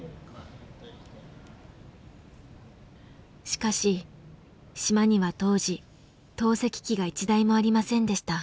しかし島には当時透析機が一台もありませんでした。